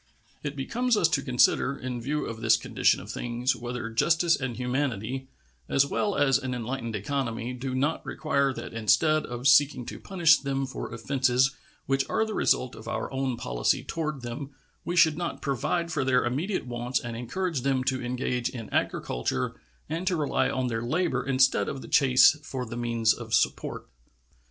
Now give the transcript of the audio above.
It becomes us to consider, in view of this condition of things, whether justice and humanity, as well as an enlightened economy, do not require that instead of seeking to punish them for offenses which are the result of our own policy toward them we should not provide for their immediate wants and encourage them to engage in agriculture and to rely on their labor instead of the chase for the means of support.